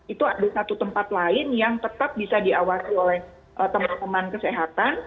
itu ada satu tempat lain yang tetap bisa diawasi oleh teman teman kesehatan